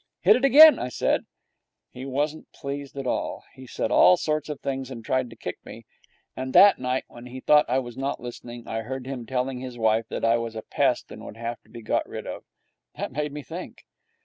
'Hit it again,' I said. He wasn't pleased at all. He said all sorts of things and tried to kick me, and that night, when he thought I was not listening, I heard him telling his wife that I was a pest and would have to be got rid of. That made me think.